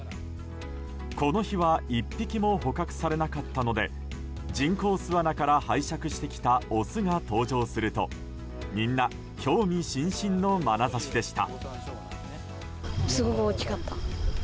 この日は１匹も捕獲されなかったので人工巣穴から拝借してきたオスが登場すると、みんな興味津々のまなざしでした。